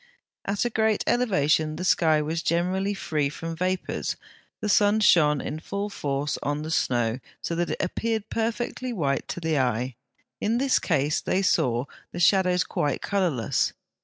At a great elevation the sky was generally free from vapours, the sun shone in full force on the snow, so that it appeared perfectly white to the eye: in this case they saw the shadows quite colourless.